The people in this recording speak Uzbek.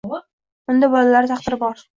Unda bolalari taqdiri bor.